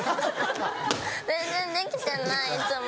全然できてないいつも。